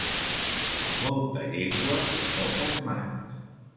Molta llengua, poques mans.